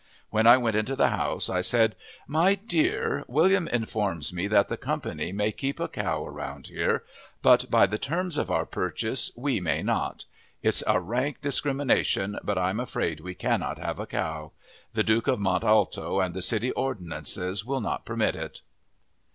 When I went into the house I said: "My dear, William informs me that the company may keep a cow around here, but by the terms of our purchase we may not. It's a rank discrimination, but I'm afraid we cannot have a cow. The Duke of Mont Alto and the city ordinances will not permit it!"